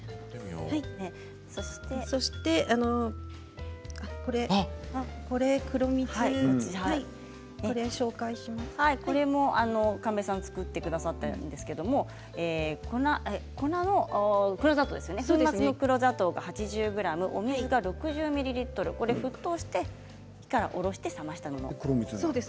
そして、これ黒蜜。これも神戸さんが作ってくださったんですけれども粉の黒砂糖粉末の黒砂糖を８０ｇ水が６０ミリリットル沸騰して火から下ろして冷やしたものです。